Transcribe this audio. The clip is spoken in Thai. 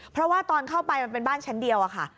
เพราะว่าตอนเข้าไปมันเป็นบ้านชั้นเดียวอะค่ะ